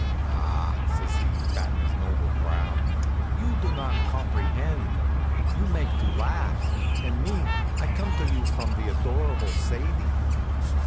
"Ah!" says he, battin' his noble brow, "you do not comprehend. You make to laugh. And me, I come to you from the adorable Sadie."